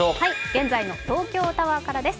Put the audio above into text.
現在の東京タワーからです。